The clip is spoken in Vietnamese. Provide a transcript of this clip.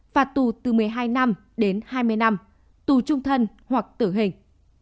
phạt tù từ một mươi hai năm đến hai mươi năm tù trung thân hoặc tử hình